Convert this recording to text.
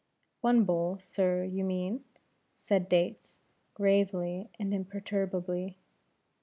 "One bowl, sir, you mean," said Dates, gravely and imperturbably.